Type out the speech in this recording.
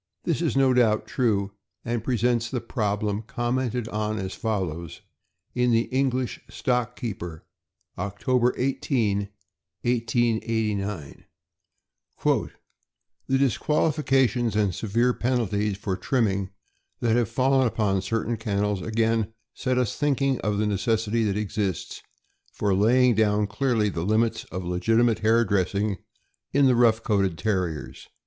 This is no doubt true, and pre sents the problem commented on as follows in the English Stock Keeper, October 18, 1889 : The disqualifications and severe penalties for trimming that have fallen upon certain kennels, again set us thinking of the necessity that exists for lay iug down clearly the limits of legitimate hair dressing in rough coated Terriers.